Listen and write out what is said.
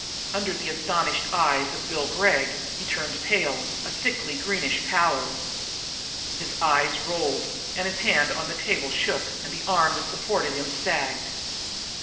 Under the astonished eyes of Bill Gregg he turned pale, a sickly greenish pallor. His eyes rolled, and his hand on the table shook, and the arm that supported him sagged.